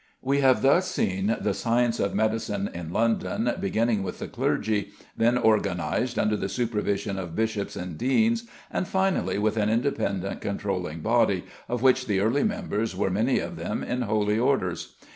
_)] We have thus seen the science of medicine in London beginning with the clergy, then organised under the supervision of bishops and deans, and finally with an independent controlling body, of which the early members were many of them in holy orders.